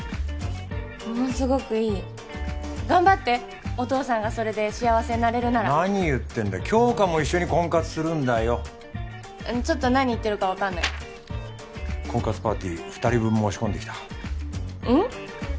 ものすごくいい頑張ってお父さんがそれで幸せになれるなら何言ってんだ杏花も一緒に婚活するんだよちょっと何言ってるか分かんない婚活パーティー二人分申し込んできたうん？